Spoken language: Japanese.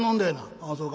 「ああそうか。